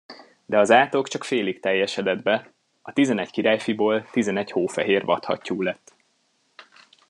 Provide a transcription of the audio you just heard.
De az átok csak félig teljesedett be: a tizenegy királyfiból tizenegy hófehér vadhattyú lett.